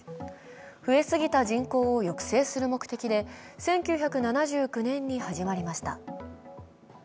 増えすぎた人口を抑制する目的で１９７９年に始まりました。